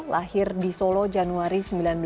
lahir di solo januari seribu sembilan ratus sembilan puluh